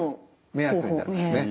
目安になりますね。